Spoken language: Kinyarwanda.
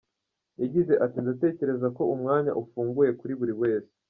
Yagize ati “Ndatekereza ko umwanya ufunguye kuri buri wese.